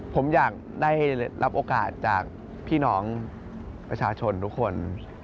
ผมอยากได้รับโอกาสจากพี่น้องประชาชนทุกคน